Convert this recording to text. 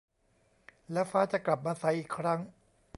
แล้วฟ้าจะกลับมาใสอีกครั้ง